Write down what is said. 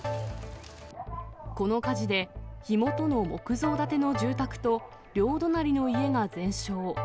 この火事で、火元の木造建ての住宅と両隣の家が全焼。